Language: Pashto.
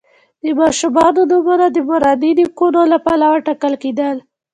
د ماشومانو نومونه د مورني نیکونو له پلوه ټاکل کیدل.